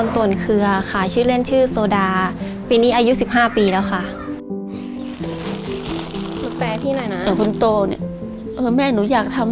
ตอนเวลาเริ่มบริเวณได้เงินมา